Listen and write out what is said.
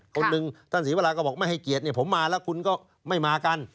คนหนึ่งท่านศรีวราก็บอกไม่ให้เกียรติเนี่ยผมมาแล้วคุณก็ไม่มากัน